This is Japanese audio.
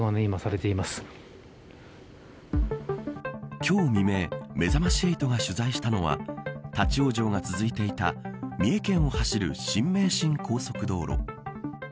今日未明、めざまし８が取材したのは立ち往生が続いていた三重県を走る新名神高速道路。